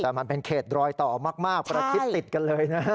แต่มันเป็นเขตรอยต่อมากประชิดติดกันเลยนะ